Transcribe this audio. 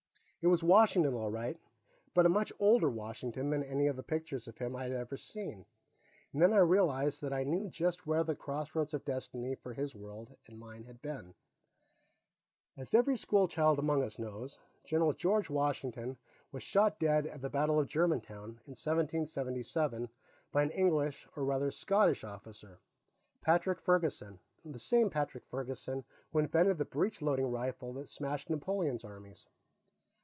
It was Washington, all right, but a much older Washington than any of the pictures of him I had ever seen. Then I realized that I knew just where the Crossroads of Destiny for his world and mine had been. As every schoolchild among us knows, General George Washington was shot dead at the Battle of Germantown, in 1777, by an English, or, rather, Scottish, officer, Patrick Ferguson the same Patrick Ferguson who invented the breech loading rifle that smashed Napoleon's armies.